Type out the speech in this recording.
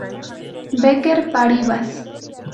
Becker Paribas.